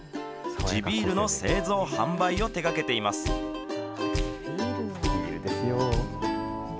地ビールの製造・販売を手がけています。